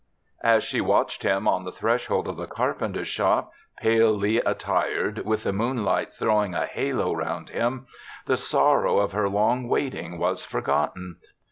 As she watched him on the thresh old of the carpenter's shop, palely attired, with the moonlight throw ing a halo round him, the sorrow of her long waiting was forgotten.